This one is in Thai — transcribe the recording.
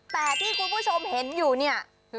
แต่ที่คุณผู้ชมเห็นอยู่เนี่ย